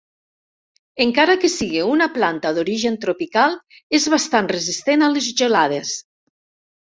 Encara que sigui una planta d'origen tropical és bastant resistent a les gelades.